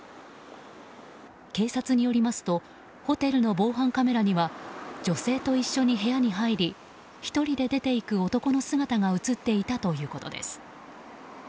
警察によりますとホテルの防犯カメラには女性と一緒に部屋に入り１人で出て行く男の姿が映っていたということです。